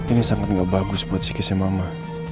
ini sangat gak bagus buat psikisnya mama